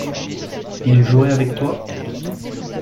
Il jouait avec toi.